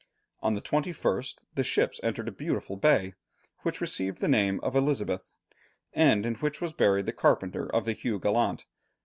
On the 21st the ships entered a beautiful bay, which received the name of Elizabeth, and in which was buried the carpenter of the Hugh Gallant.